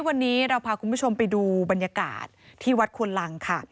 วันนี้เราพาคุณผู้ชมไปดูบรรยากาศที่วัดควนลังค่ะ